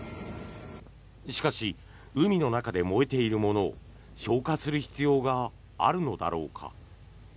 しかし海の中で燃えているものを消火する必要があるのだろうか。